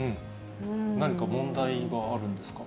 何か問題があるんですか？